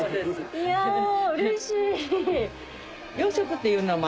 いやうれしい。